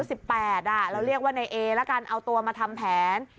เราเรียกว่าในเอละกันเอาตัวมาทำแผน